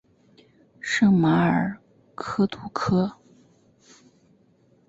圣马尔克杜科。